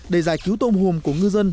để giải cứu tôm hùm của ngư dân